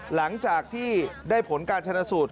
หลังจากที่ได้ผลการชนะสูตร